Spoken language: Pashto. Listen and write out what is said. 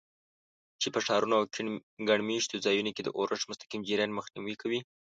چې په ښارونو او ګڼ مېشتو ځایونو کې د اورښت مستقیم جریان مخنیوی کوي.